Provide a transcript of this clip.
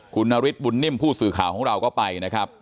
คุณนฤทธบุญนิ่มผู้สื่อข่าวของเราก็ไปนะครับ